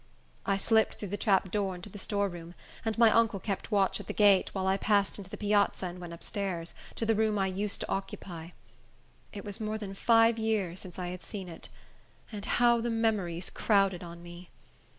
I slipped through the trap door into the storeroom, and my uncle kept watch at the gate, while I passed into the piazza and went up stairs, to the room I used to occupy. It was more than five years since I had seen it; and how the memories crowded on me!